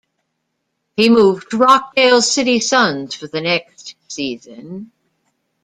He moved to Rockdale City Suns for the next season.